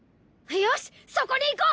よしそこに行こう！